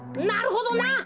なるほどな！